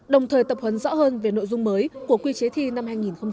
đồng thời tập huấn rõ hơn về nội dung mới của quy chế thi năm hai nghìn hai mươi